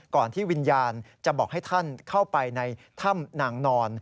ที่วิญญาณจะบอกให้ท่านเข้าไปในถ้ำนางนอน